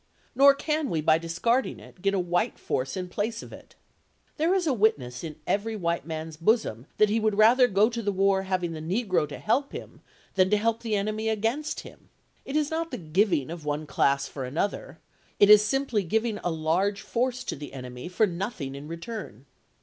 Nor can we, by discarding it, get a white force in place of it. There is a witness in every white man's bosom that he would rather go to the war having the negro to help him than to help the enemy against him. It is not the giving of one class for another — it is simply giving a large force to the enemy for nothing in return.